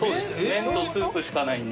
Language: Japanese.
麺とスープしかないので。